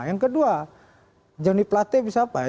yang kedua jonny platte bisa apa ya